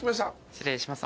失礼します。